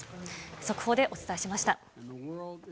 速報でお伝えしました。